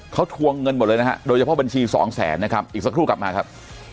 เขาทวงเงินหมดเลยนะฮะโดยเฉพาะบัญชีสองแสนนะครับอีกสักครู่กลับมาครับ